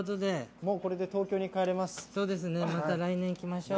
もうこれで東京に帰れます。